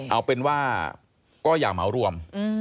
เอาเป็นว่าก็อย่าเหมารวม